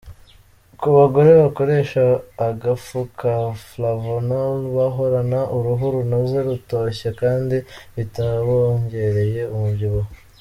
ku bagore bakoresha agafu ka flavanol bahorana uruhu runoze rutoshye kandi bitabongereye umubyibuho.